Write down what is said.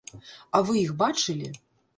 А вы іх бачылі?